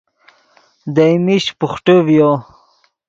دئے میش بوخٹے ڤیو